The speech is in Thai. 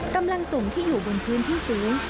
กำลังส่งที่อยู่บนพื้นที่สูง